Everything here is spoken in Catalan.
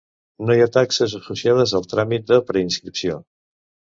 No hi ha taxes associades al tràmit de preinscripció.